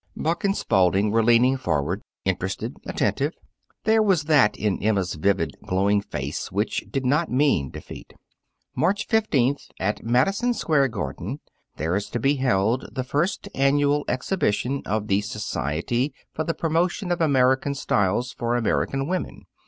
Buck and Spalding were leaning forward, interested, attentive. There was that in Emma's vivid, glowing face which did not mean defeat. "March fifteenth, at Madison Square Garden, there is to be held the first annual exhibition of the Society for the Promotion of American Styles for American Women.